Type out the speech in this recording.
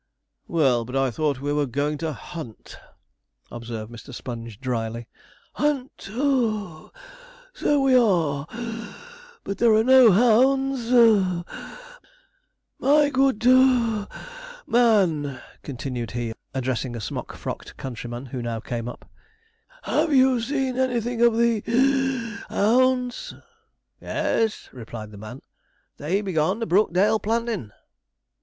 'Well, but I thought we were going to hunt,' observed Mr. Sponge dryly. 'Hunt (puff)! so we are (wheeze); but there are no hounds. My good (puff) man,' continued he, addressing a smock frocked countryman, who now came up, 'have you seen anything of the (wheeze) hounds?' 'E e s,' replied the man. 'They be gone to Brookdale Plantin'.'